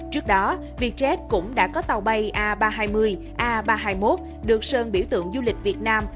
trước đó vietjet cũng đã có tàu bay a ba trăm hai mươi a ba trăm hai mươi một được sơn biểu tượng du lịch việt nam